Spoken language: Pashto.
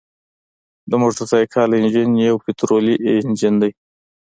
د موټرسایکل انجن یو پطرولي انجن دی.